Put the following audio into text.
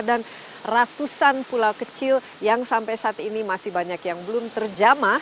dan ratusan pulau kecil yang sampai saat ini masih banyak yang belum terjamah